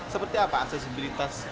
seperti apa aksesibilitas